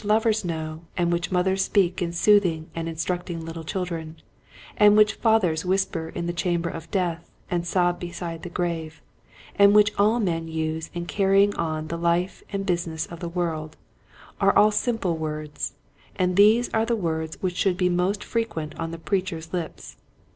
lovers know and which mothers speak in soothing and instructing Httle children, and which fathers whisper in the chamber of death and sob beside the grave, and which all men use in carrying on the life and business of the world, are all simple words, and these are the words which should be most frequent on the preacher's lips.